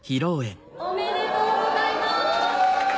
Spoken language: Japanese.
おめでとうございます！